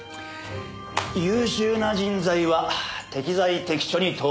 優秀な人材は適材適所に登用する。